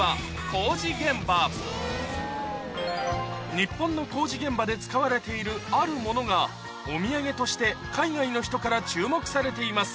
日本の工事現場で使われているあるものがお土産として海外の人から注目されています